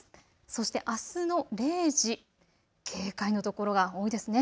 そしてあすの０時、警戒のところが多いですね。